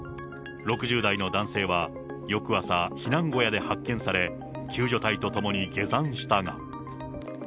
６０代の男性は翌朝、避難小屋で発見され、救助隊と共に下山したが。